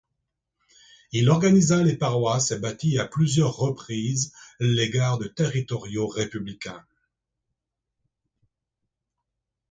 Il organisa les paroisses et battit à plusieurs reprises les gardes territoriaux républicains.